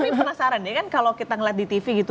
tapi penasaran ya kan kalau kita ngeliat di tv gitu